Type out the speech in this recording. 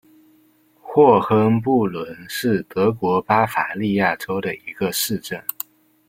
霍亨布伦是德国巴伐利亚州的一个市镇。